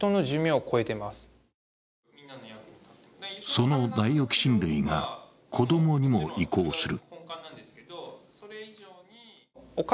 そのダイオキシン類が子供にも移行する。